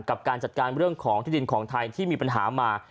กับการจัดการเรื่องของที่ดินของไทยที่มีปัญหามา